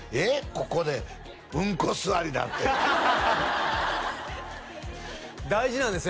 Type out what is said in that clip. ここでうんこ座りなんて大事なんですね